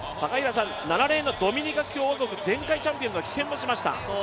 ７レーンのドミニカ共和国前回チャンピオンが棄権しました。